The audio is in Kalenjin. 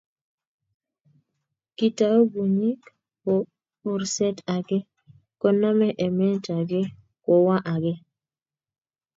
kiitou bunyik borset age koname emet age kowa age.